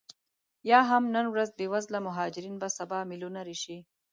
یا هم نن ورځ بې وزله مهاجرین به سبا میلیونرې شي